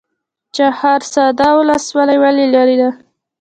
چهارسده ولسوالۍ ولې لیرې ده؟